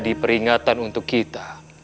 jadi peringatan untuk kita